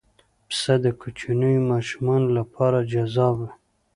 پسه د کوچنیو ماشومانو لپاره جذاب وي.